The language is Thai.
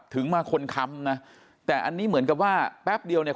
ถึงมาคนค้ำนะแต่อันนี้เหมือนกับว่าแป๊บเดียวเนี่ย